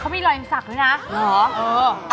เขามีรอยแล้วนะ